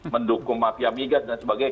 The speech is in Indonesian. mendukung mafia migas dan sebagainya